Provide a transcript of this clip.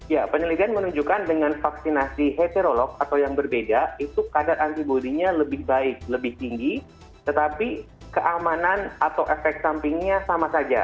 ya penelitian menunjukkan dengan vaksinasi heterolog atau yang berbeda itu kadar antibody nya lebih baik lebih tinggi tetapi keamanan atau efek sampingnya sama saja